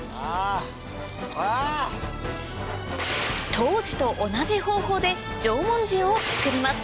当時と同じ方法で縄文塩を作ります